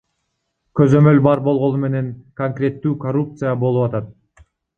Көзөмөл бар болгону менен конкреттүү коррупция болуп атат.